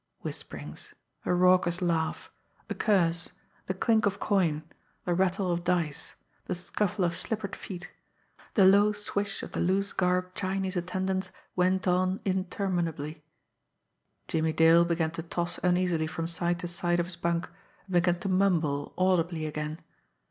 Whisperings, a raucous laugh, a curse, the clink of coin, the rattle of dice, the scuffle of slippered feet, the low swish of the loose garbed Chinese attendants went on interminably. Jimmie Dale began to toss uneasily from side to side of his bunk, and began to mumble audibly again.